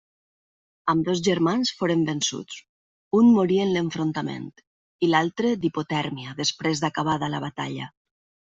Ambdós germans foren vençuts; un morí en l'enfrontament i l'altre d'hipotèrmia després d'acabada la batalla.